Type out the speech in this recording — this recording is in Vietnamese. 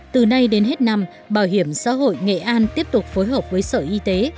từ nay đến hết năm bảo hiểm xã hội nghệ an tiếp tục phối hợp với sở y tế